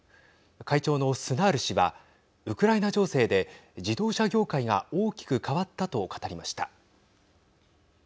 会長のスナール氏はウクライナ情勢で自動車業界が大きく変わったと語りました。